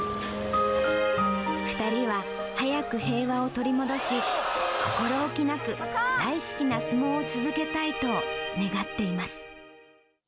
２人は早く平和を取り戻し、心おきなく大好きな相撲を続けたいと願っています。